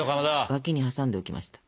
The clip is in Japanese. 脇に挟んでおきました。